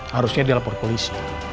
harusnya dia lapor polisi